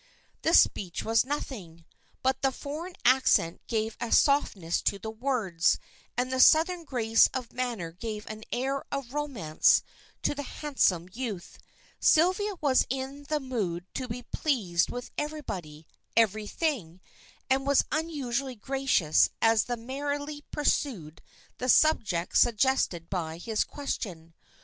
The speech was nothing, but the foreign accent gave a softness to the words, and the southern grace of manner gave an air of romance to the handsome youth. Sylvia was in the mood to be pleased with everybody, everything, and was unusually gracious as they merrily pursued the subject suggested by his question.